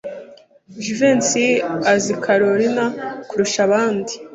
Jivency azi Kalorina kurusha abandi.